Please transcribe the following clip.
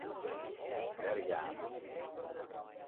Werjaan.